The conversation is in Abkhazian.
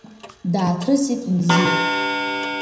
Дааҭрысит Мзиа.